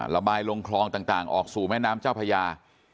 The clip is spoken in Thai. ระบายลงคลองต่างออกสู่แม่น้ำเจ้าพญา